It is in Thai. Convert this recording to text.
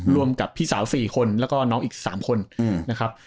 กับพี่สาว๔คนแล้วก็น้องอีก๓คนนะครับ